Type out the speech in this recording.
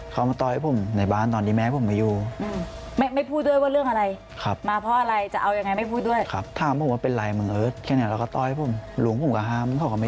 คิดว่ายิงปืนไปแด่เอิสต้องออกตามแบบนี้ดีลูกเราไม่ไป